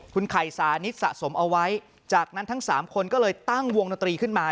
คุณไข่สานิทสะสมเอาไว้จากนั้นทั้งสามคนก็เลยตั้งวงดนตรีขึ้นมา